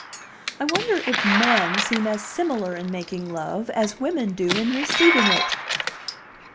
"I wonder if men seem as similar in making love as women do in receiving it?"